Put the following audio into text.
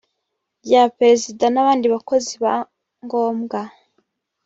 rya perezida n abandi bakozi ba ngombwa